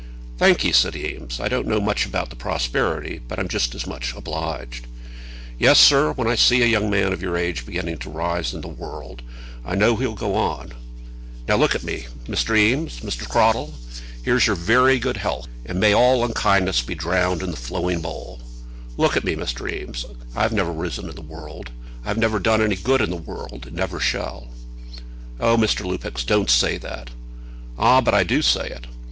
"Thank ye," said Eames. "I don't know much about the prosperity, but I'm just as much obliged." "Yes, sir; when I see a young man of your age beginning to rise in the world, I know he'll go on. Now look at me, Mr. Eames. Mr. Cradell, here's your very good health, and may all unkindness be drowned in the flowing bowl Look at me, Mr. Eames. I've never risen in the world; I've never done any good in the world, and never shall." "Oh, Mr. Lupex, don't say that." "Ah, but I do say it.